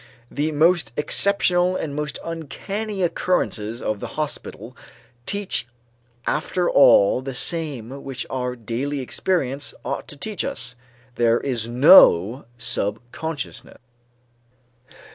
The most exceptional and most uncanny occurrences of the hospital teach after all the same which our daily experience ought to teach us: there is no subconsciousness.